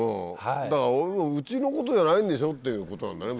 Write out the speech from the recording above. だからうちのことじゃないんでしょ？っていうことなんだね